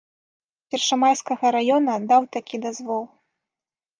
Першамайскага раёна даў такі дазвол.